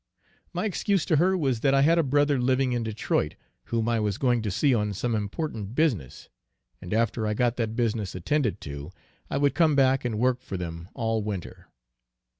My excuse to her was that I had a brother living in Detroit, whom I was going to see on some important business, and after I got that business attended to, I would come back and work for them all winter.